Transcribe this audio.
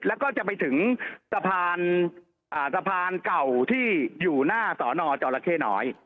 แล้วก็จะไปถึงสะพานเก่าที่อยู่หน้าสอนอจรเข้น้อย